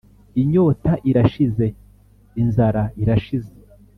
'inyota irashize, inzara irashize,